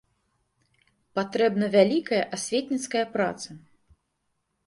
Патрэбна вялікая асветніцкая праца.